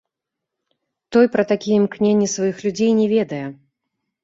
Той пра такія імкненні сваіх людзей не ведае.